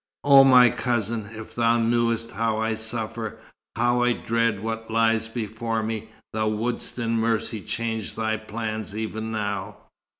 "O my cousin, if thou knewest how I suffer, how I dread what lies before me, thou wouldst in mercy change thy plans even now.